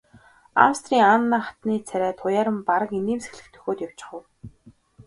Австрийн Анна хатны царай туяаран бараг инээмсэглэх дөхөөд явчихав.